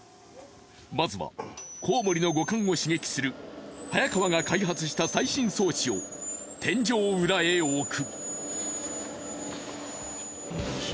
まずはコウモリの五感を刺激する早川が開発した最新装置を天井裏へ置く。